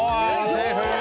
セーフ！